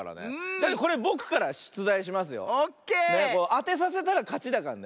あてさせたらかちだからね。